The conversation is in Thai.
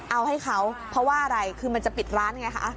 เอาให้เขาเพราะว่าอะไรคือมันจะปิดร้านไงคะ